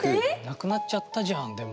なくなっちゃったんじゃんでも。